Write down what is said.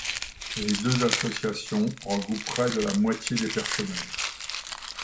Les deux association regroupent près de la moitié des personnels.